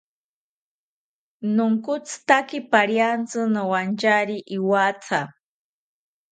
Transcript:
Nonkotzitaki pariantzi nowantyari iwatha